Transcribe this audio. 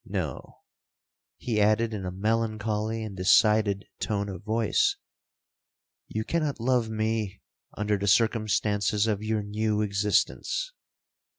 No,' he added in a melancholy and decided tone of voice, 'you cannot love me under the circumstances of your new existence.